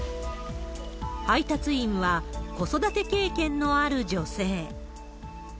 配達員は子育て経験のある女性。